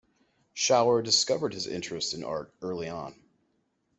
Schauer discovered his interest in art early on.